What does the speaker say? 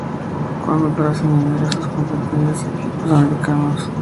Cuando, tras añadir a sus competencias equipos americanos.